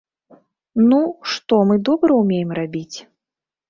Ну, што мы добра ўмеем рабіць?